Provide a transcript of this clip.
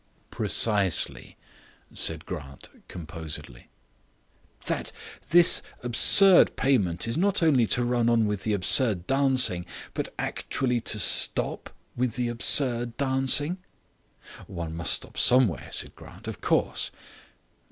"Precisely," said Grant composedly. "That this absurd payment is not only to run on with the absurd dancing, but actually to stop with the absurd dancing?" "One must stop somewhere," said Grant. "Of course."